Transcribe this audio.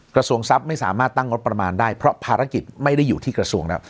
กระทรวงทรัพย์ไม่สามารถตั้งงบประมาณได้เพราะภารกิจไม่ได้อยู่ที่กระทรวงแล้ว